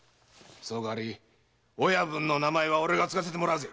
その代わり親分の名前は俺が継がせてもらうぜ！